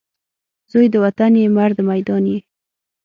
زوی د وطن یې ، مرد میدان یې